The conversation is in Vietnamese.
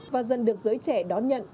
và dần được giới trẻ đón nhận